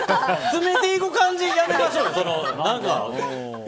詰めていく感じ、やめましょうよ。